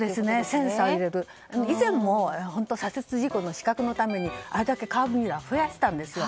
以前も、左折事故の死角のために、あれだけカーブミラー増やしたんですよ。